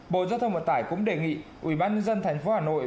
bộ giao thông bộ tải cũng đề nghị ủy ban nhân dân thành phố hà nội